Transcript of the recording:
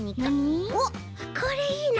おっこれいいな。